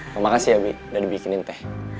terima kasih ya bi udah dibikinin teh